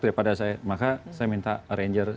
daripada saya maka saya minta arranger